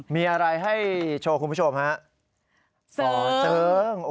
มีอะไรให้โชว์คุณผู้ชมฮะ